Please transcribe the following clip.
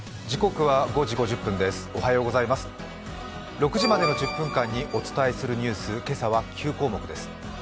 ６時までの１０分間にお伝えするニュース、今朝は９項目です。